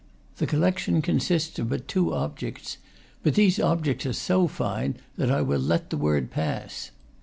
The collection consists of but two objects, but these objects are so fine that I will let the word pass.